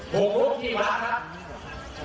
ผมลุกที่วัดครับ